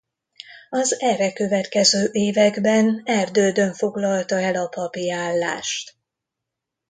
Az erre következő években Erdődön foglalta el a papi állást.